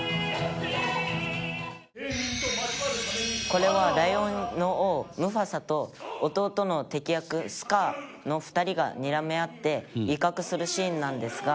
「これはライオンの王ムファサと弟の敵役スカーの２人がにらみ合って威嚇するシーンなんですが」